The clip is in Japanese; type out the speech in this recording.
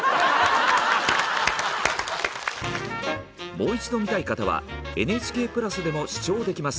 もう一度見たい方はＮＨＫプラスでも視聴できます。